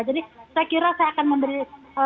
jadi saya kira saya akan memberi